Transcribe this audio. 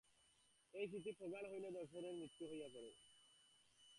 এই স্মৃতি প্রগাঢ় হইলে দর্শনের তুল্য হইয়া পড়ে।